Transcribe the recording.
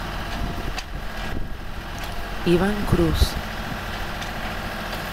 Iván Cruz